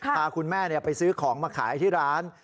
พาคุณแม่ไปซื้อของมาขายที่ร้าน